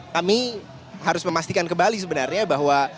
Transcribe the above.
kami harus memastikan kembali sebenarnya bahwa